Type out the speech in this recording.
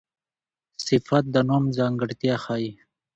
صفت د نوم ځانګړتیا ښيي.